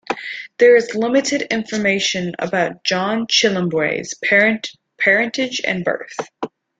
There is limited information about John Chilembwe's parentage and birth.